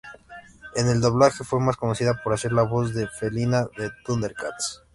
En el doblaje, fue más conocida por hacer la voz de Felina en "Thundercats".